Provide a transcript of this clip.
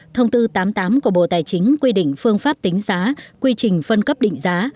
thông tư tám mươi tám của bộ tài chính quy định phương pháp tính giá quy trình phân cấp định giá